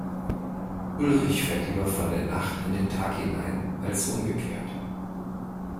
Ulrich fährt lieber von der Nacht in den Tag hinein als umgekehrt.